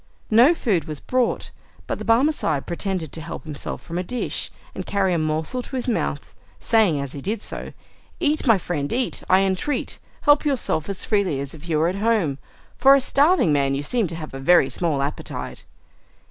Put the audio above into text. No food was brought, but the Barmecide pretended to help himself from a dish, and carry a morsel to his mouth, saying as he did so, "Eat, my friend, eat, I entreat. Help yourself as freely as if you were at home! For a starving man, you seem to have a very small appetite."